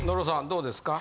どうですか？